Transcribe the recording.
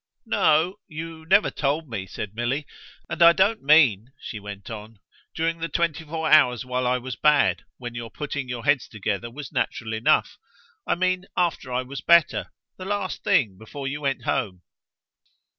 "No you never told me," said Milly. "And I don't mean," she went on, "during the twenty four hours while I was bad, when your putting your heads together was natural enough. I mean after I was better the last thing before you went home."